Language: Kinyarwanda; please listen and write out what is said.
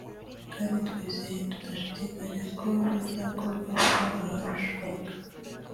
kandi twizeye tudashidikanya ko bizakorwa vuba aha bishoboka